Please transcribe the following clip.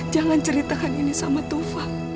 jangan ceritakan ini sama tufa